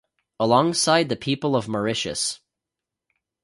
Alongside the people of Mauritius.